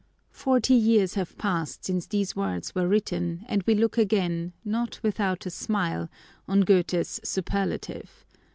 ” Forty years have passed since these words were written, and we look again, “ not without a smile,” on Goethe’s superlative.